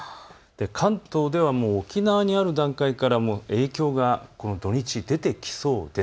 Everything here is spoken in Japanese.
関東では沖縄にある段階から影響が土日、出てきそうです。